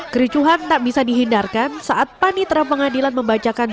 kericuhan tak bisa dihindarkan saat panitra pengadilan membacakan